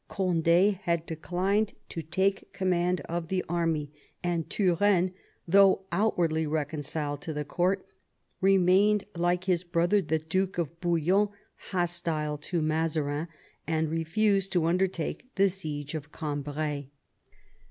Cond^ had declined to take command of the army, and Turenne, though outwardly reconciled to the court, remained, like his brother the Duke of Bouillon, hostile to Mazarin, and refused to undertake the siege of Cambray.